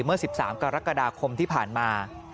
เมื่อ๑๓กรกฎาคมที่ผ่านมา